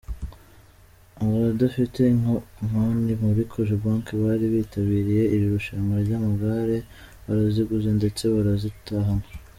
Abadafite konti muri Cogebanque bari bitabiriye iri rushanwa ry’amagare baraziguze ndetse barazitahana.